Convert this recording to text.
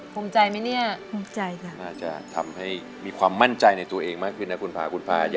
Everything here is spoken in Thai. คงใจไหมเนี่ยคงใจจ้ะน่าจะทำให้มีความมั่นใจในตัวเองมากขึ้นนะคุณภาคุณภาคุณภาค